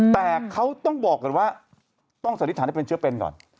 แต่เขาต้องบอกก่อนว่าต้องสันนิษฐานให้เป็นเชื้อเป็นก่อน